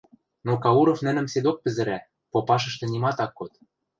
но Кауров нӹнӹм седок пӹзӹрӓ, попашышты нимат ак код.